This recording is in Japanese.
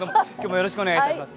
よろしくお願いします。